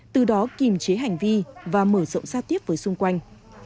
từ đó kìm chế hành vi và mở rộng giao tiếp với xung quanh